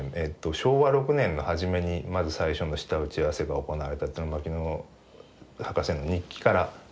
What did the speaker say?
昭和６年の初めにまず最初の下打ち合わせが行われたというのが牧野博士の日記から分かります。